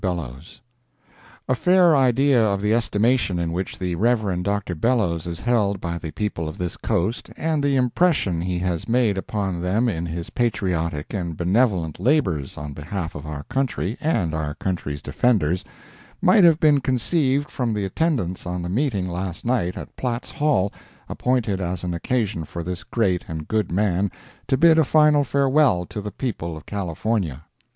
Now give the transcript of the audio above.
BELLOWS A fair idea of the estimation in which the Rev. Dr. Bellows is held by the people of this coast, and the impression he has made upon them in his patriotic and benevolent labors on behalf of our country and our country's defenders, might have been conceived from the attendance on the meeting last night at Platt's Hall appointed as an occasion for this great and good man to bid a final farewell to the people of California.